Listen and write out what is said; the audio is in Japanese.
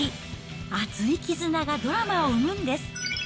熱い絆がドラマを生むんです。